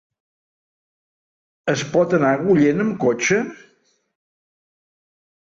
Es pot anar a Agullent amb cotxe?